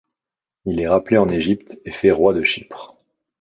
Il est rappelé en Égypte et fait roi de Chypre.